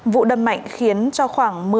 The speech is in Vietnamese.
vụ đâm mạnh khiến cho khoảng